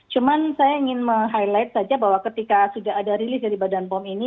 cuma saya ingin meng highlight saja bahwa ketika sudah ada rilis dari badan pom ini